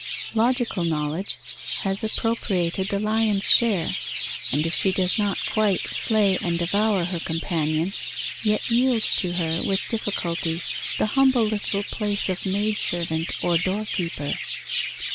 Logical knowledge has appropriated the lion's share; and if she does not quite slay and devour her companion, yet yields to her with difficulty the humble little place of maidservant or doorkeeper.